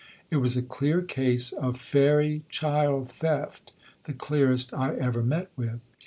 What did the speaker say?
It was a clear case of fairy child theft, the clearest I ever met with.